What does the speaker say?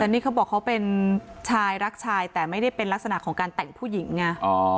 แต่นี่เขาบอกเขาเป็นชายรักชายแต่ไม่ได้เป็นลักษณะของการแต่งผู้หญิงไง